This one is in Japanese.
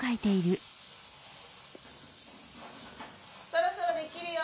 そろそろできるよ。